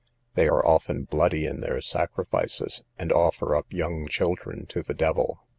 They are often bloody in their sacrifices, and offer up young children to the devil.